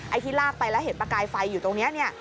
ที่ลากไปแล้วเห็นประกายไฟอยู่ตรงนี้เนี่ย